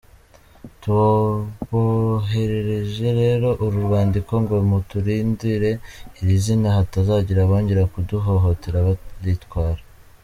Tuboherereje rero uru rwandiko ngo muturindire iri zina hatazagira abongera kuduhohotera baritwara.